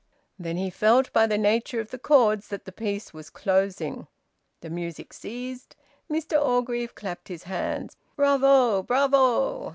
Then he felt by the nature of the chords that the piece was closing. The music ceased. Mr Orgreave clapped his hands. "Bravo! Bravo!"